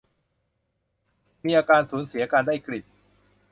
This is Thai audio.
มีอาการสูญเสียการได้กลิ่น